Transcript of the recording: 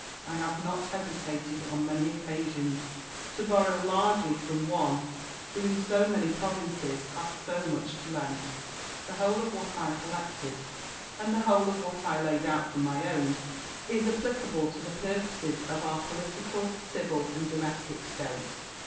I have not hesitated, on many occasions, to borrow largely from one who, in so many provinces, hath so much to lend. The whole of what I collected, and the whole of what I laid out from my own, is applicable to the purposes of our political, civil, and domestic state.